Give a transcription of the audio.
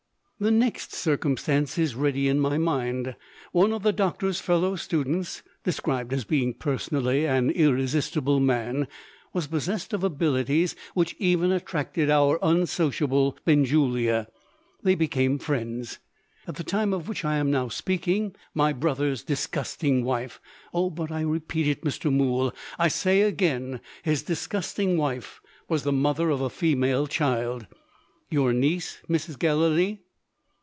The next circumstance is ready in my mind. One of the doctor's fellow students (described as being personally an irresistible man) was possessed of abilities which even attracted our unsociable Benjulia. They became friends. At the time of which I am now speaking, my brother's disgusting wife oh, but I repeat it, Mr. Mool! I say again, his disgusting wife was the mother of a female child." "Your niece, Mrs. Gallilee."